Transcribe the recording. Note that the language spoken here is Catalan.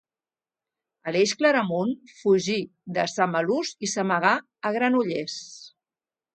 Aleix Claramunt fugí de Samalús i s'amagà a Granollers.